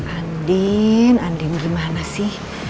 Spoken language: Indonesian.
andi andi gimana sih